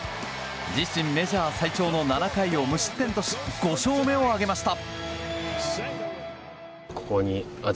自身メジャー最長の７回を無失点とし５勝目を挙げました。